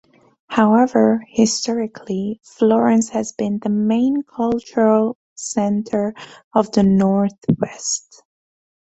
However, historically Florence has been the main cultural center of the northwest.